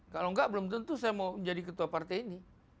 kalau enggak belum tentu saya mau menjadi ketua partai ini